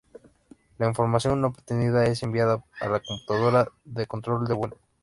La información obtenida es enviada a la Computadora de control de vuelo.